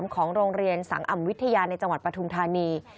ของโรงเรียนสังอำวิทยาในจังหวัดปฐุมธานี